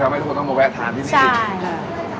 ให้ทุกคนต้องมาแวะทานที่นี่